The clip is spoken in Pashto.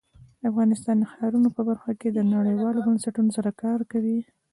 افغانستان د ښارونه په برخه کې نړیوالو بنسټونو سره کار کوي.